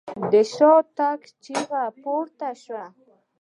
د شاته تګ چيغې پورته شوې.